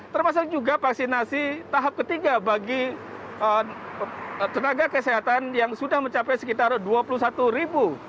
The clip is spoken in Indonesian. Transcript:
termasuk juga vaksinasi tahap ketiga bagi tenaga kesehatan yang sudah mencapai sekitar dua puluh satu ribu